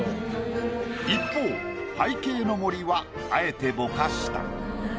一方背景の森はあえてぼかした。